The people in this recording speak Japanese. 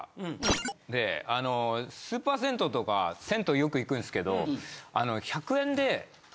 スーパー銭湯とか銭湯よく行くんすけど。